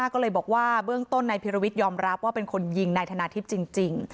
ก็เลยบอกว่าเบื้องต้นนายพิรวิทยอมรับว่าเป็นคนยิงนายธนาทิพย์จริง